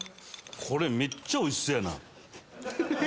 めっちゃおいしそうやな。